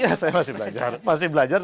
iya saya masih belajar